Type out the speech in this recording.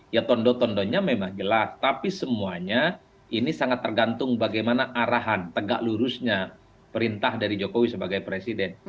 ya tondo tondonya memang jelas tapi semuanya ini sangat tergantung bagaimana arahan tegak lurusnya perintah dari jokowi sebagai presiden